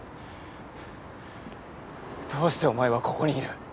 どうしてお前はここにいる？